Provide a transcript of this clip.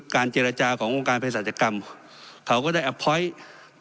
การเจรจาขององค์การพยาศาสตร์กรรมเขาก็ได้อัพพอยต์